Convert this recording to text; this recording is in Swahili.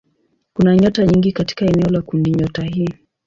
Kuna nyota nyingi katika eneo la kundinyota hii.